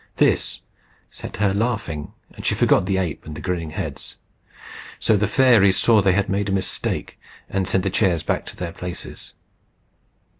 This set her laughing, and she forgot the ape and the grinning heads. So the fairies saw they had made a mistake, and sent the chairs back to their places.